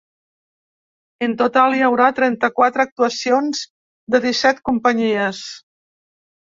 En total, hi haurà trenta-quatre actuacions de disset companyies.